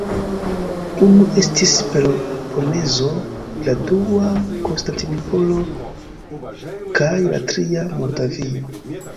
Unu estis Peloponezo, la dua Konstantinopolo kaj la tria Moldavio.